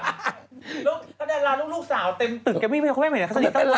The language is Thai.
แล้วถ้าได้รักลูกสาวเต็มตึกกันไม่เหมือนกัน